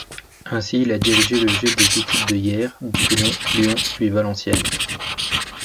Ainsi il a dirigé le jeu des équipes de Hyères, Toulon, Lyon puis Valenciennes.